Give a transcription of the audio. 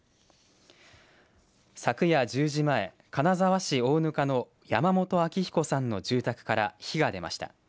昨夜１０時前、金沢市大額の山本明彦さんの住宅から火が出ました。